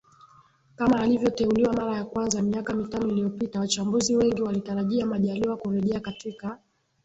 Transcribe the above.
kama alivyoteuliwa mara ya kwanza miaka mitano iliyopita Wachambuzi wengi walitarajia Majaliwa kurejea katika